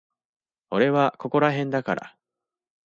俺はここらへんだから。